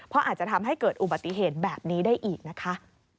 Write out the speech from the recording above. เพราะอาจจะทำให้เกิดอุบัติเหตุแบบนี้ได้อีกนะคะ